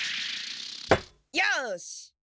よし！